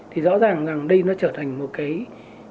thì rõ ràng đây nó trở thành một cái mầm mộng